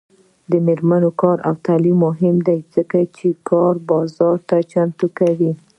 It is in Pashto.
د میرمنو کار او تعلیم مهم دی ځکه چې کار بازار ته چمتو کوي.